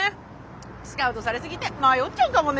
スカウトされすぎて迷っちゃうかもね。